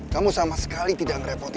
kamu sama sekali tidak ngerepotin saya